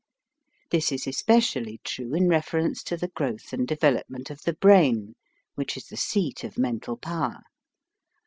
This is especially true in reference to the growth and devel opment of the brain, which is the seat of mental power.